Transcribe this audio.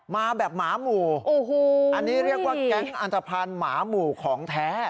มาแบบหมาหมู่อันนี้เรียกว่าแก๊งอันตภัณฑ์หมาหมู่ของแท้